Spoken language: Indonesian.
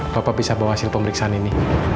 bapak bisa bawa hasil pemeriksaan ini